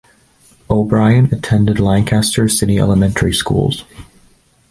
O'Brian attended Lancaster city elementary schools.